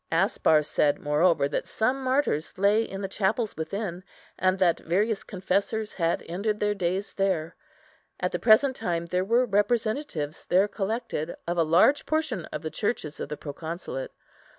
Aspar said, moreover, that some martyrs lay in the chapels within, and that various confessors had ended their days there. At the present time there were representatives, there collected, of a large portion of the Churches of the Proconsulate.